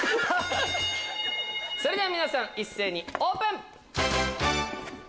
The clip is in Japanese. それでは皆さん一斉にオープン！